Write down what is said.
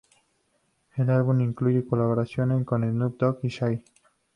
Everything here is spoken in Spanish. El álbum incluye colaboraciones con Snoop Dogg y Shaggy.